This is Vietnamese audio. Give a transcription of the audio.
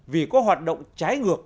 vì có hoạt động trái ngược